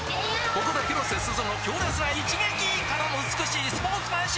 ここで広瀬すずの強烈な一撃！からの美しいスポーツマンシップ！